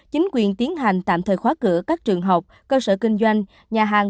chính quyền tiến hành tạm thời khóa cửa các trường học cơ sở kinh doanh nhà hàng